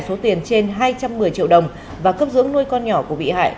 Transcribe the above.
số tiền trên hai trăm một mươi triệu đồng và cấp dưỡng nuôi con nhỏ của bị hại